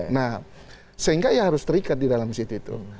nah sehingga ia harus terikat di dalam situ